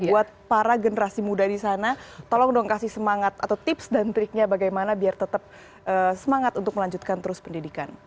buat para generasi muda di sana tolong dong kasih semangat atau tips dan triknya bagaimana biar tetap semangat untuk melanjutkan terus pendidikan